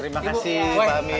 terima kasih pamit